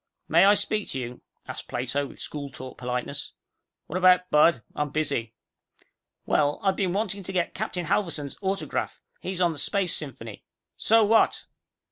"May I speak to you?" asked Plato, with school taught politeness. "What about, bud? I'm busy." "Well, I've been wanting to get Captain Halverson's autograph. He's on the Space Symphony " "So what?"